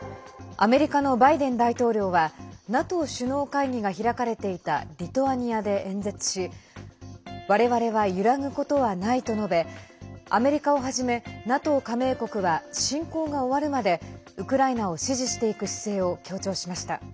アメリカのバイデン大統領はＮＡＴＯ首脳会議が開かれていたリトアニアで演説し我々は揺らぐことはないと述べアメリカをはじめＮＡＴＯ加盟国は侵攻が終わるまでウクライナを支持していく姿勢を強調しました。